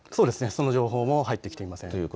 その情報も入ってきていません。